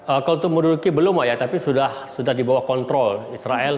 kalau itu menduduki belum tapi sudah dibawa kontrol israel